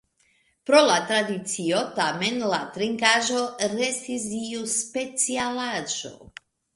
Pro la tradicio tamen la trinkaĵo restis iu specialaĵo.